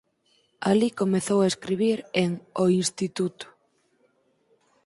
Alí comezou a escribir en "O Instituto.